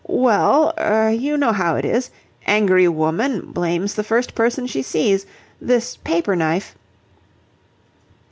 "Well er you know how it is. Angry woman... blames the first person she sees... This paper knife..."